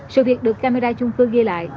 sự việc được camera chung cư ghi lại